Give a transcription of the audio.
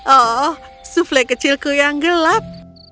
oh sufle kecilku yang gelap